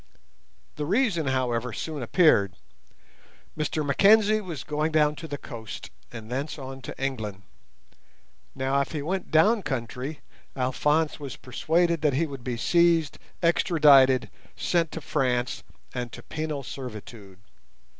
The reason, however, soon appeared. Mr Mackenzie was going down to the coast, and thence on to England. Now, if he went down country, Alphonse was persuaded that he would be seized, extradited, sent to France, and to penal servitude.